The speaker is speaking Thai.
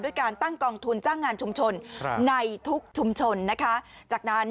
ด้วยการต้องกองทุนสร้างงานชุมชนในทุกชุมชนเนี่ยนะคะ